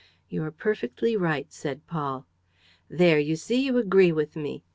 "You're perfectly right," said Paul. "There, you see, you agree with me!